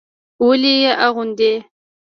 ولې يې اغوندي.